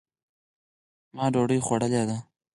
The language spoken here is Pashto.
ما دوډۍ خوړلې ده